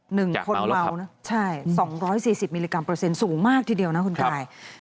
หนึ่งคนเมานะใช่สองร้อยสี่สิบมิลลิกรัมเปอร์เซ็นต์สูงมากทีเดียวนะคุณกาย